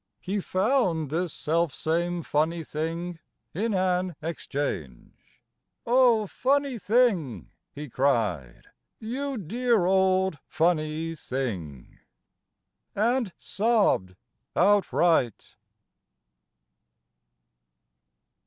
He found this selfsame funny thing In an exchange "O, funny thing!" He cried, "You dear old funny thing!" And Sobbed Outright.